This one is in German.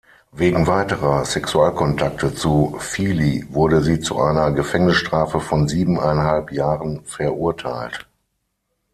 Wegen weiterer Sexualkontakte zu Vili wurde sie zu einer Gefängnisstrafe von siebeneinhalb Jahren verurteilt.